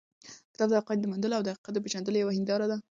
کتاب د حقایقو د موندلو او د حقیقت د پېژندلو یوه هنداره ده.